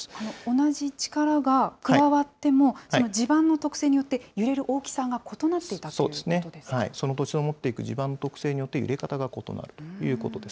同じ力が加わっても、地盤の特性によって揺れる大きさが異なその土地の持っている地盤の特性によって揺れ方が異なるということです。